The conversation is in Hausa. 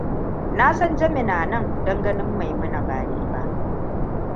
Na san Jami na nan don ganin Maimuna, ba ni ba.